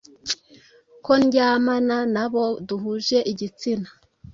ko ndyamana n’abo duhuje igitsina,